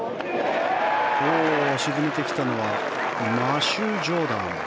沈めてきたのはマシュー・ジョーダン。